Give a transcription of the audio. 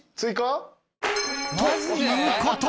［ということで］